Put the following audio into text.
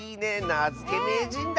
なづけめいじんだ！